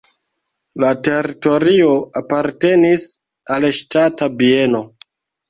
La teritorio apartenis al ŝtata bieno.